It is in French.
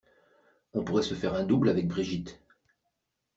On pourrait se faire un double avec Brigitte.